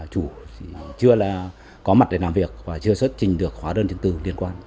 chủ chưa có mặt để làm việc và chưa xuất trình được hóa đơn chứng tư liên quan